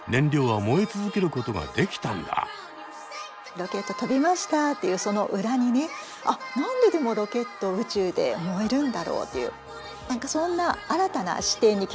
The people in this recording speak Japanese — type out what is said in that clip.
ロケット飛びましたっていうその裏にね「あ何ででもロケット宇宙で燃えるんだろう？」というそんな新たな視点に気付かせてくれる。